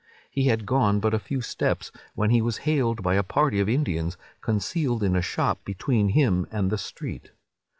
He had gone but a few steps, when he was hailed by a party of Indians, concealed in a shop between him and the street.